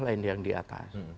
lain yang di atas